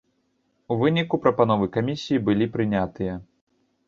У выніку прапановы камісіі былі прынятыя.